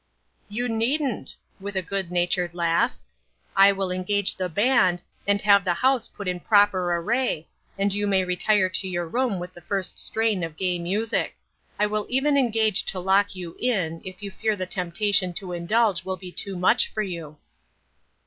" You needn't," with a good natured laugh ; "I will engage the band, and have the house put in proper array, and you may retire to your room with the first strain of gay music. I will even engage to lock you in, if you fear the temptation to indulge will be too much for you."